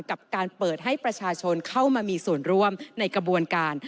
กับการเปิดให้ประชาชนเข้ามามีส่วนร่วมในกระบวนการ